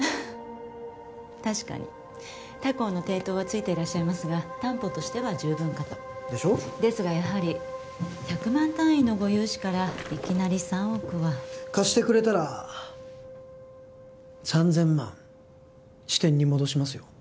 確かに他行の抵当はついてらっしゃいますが担保としては十分かとでしょ？ですがやはり１００万単位のご融資からいきなり３億は貸してくれたら３千万支店に戻しますよ